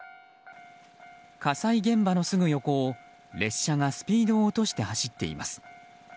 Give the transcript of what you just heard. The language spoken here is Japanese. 火災現場のすぐ横を列車がスピードを落として走っています。